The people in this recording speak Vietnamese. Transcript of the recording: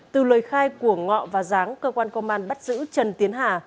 từ lời khai của ngọ và giáng cơ quan công an bắt giữ trần tiến hà